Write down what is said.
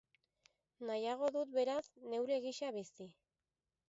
Nahiago dut, beraz, neure gisa bizi.